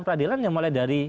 peradilan yang mulai dari